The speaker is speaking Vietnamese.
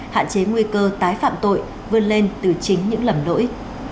hạn chế nguy cơ tái phạm tội vươn lên từ chính những lầm lỗi